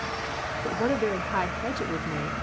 "But what a very high hedge it would make!"